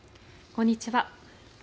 こんにちは。